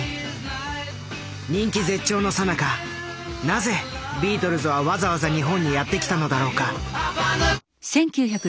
人気絶頂のさなかなぜビートルズはわざわざ日本にやってきたのだろうか？